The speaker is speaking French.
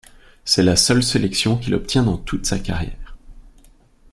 C'est la seule sélection qu'il obtient dans toute sa carrière.